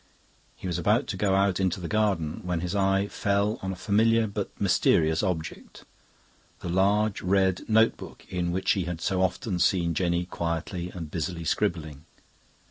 He was about to go out into the garden when his eye fell on a familiar but mysterious object the large red notebook in which he had so often seen Jenny quietly and busily scribbling.